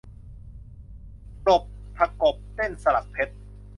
กลบทกบเต้นสลักเพชร